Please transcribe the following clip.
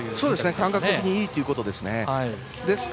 感覚的にいいということですね。